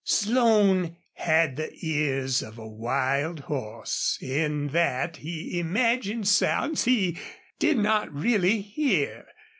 Slone had the ears of a wild horse in that he imagined sounds he did not really hear.